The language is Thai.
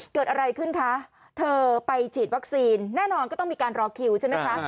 เกิดอะไรขึ้นคะเธอไปฉีดวัคซีนแน่นอนก็ต้องมีการรอคิวใช่ไหมคะ